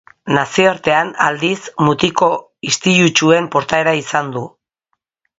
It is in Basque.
Nazioartean, aldiz, mutiko istilutsuen portaera izan du.